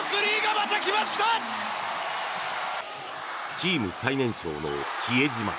チーム最年長の比江島。